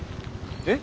えっ？